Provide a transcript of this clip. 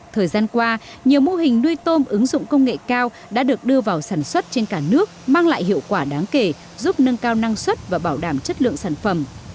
thời gian qua nhiều mô hình nuôi tôm ứng dụng công nghệ cao đã được đưa vào sản xuất trên cả nước mang lại hiệu quả đáng kể giúp nâng cao năng suất và bảo đảm chất lượng sản phẩm